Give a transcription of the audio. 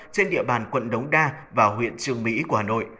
trên địa bàn quận đống đa và huyện trường mỹ của hà nội